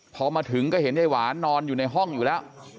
พอมาถึงก็เห็นยายหวานนอนอยู่ในห้องอยู่แล้ว